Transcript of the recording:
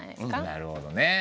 なるほどね。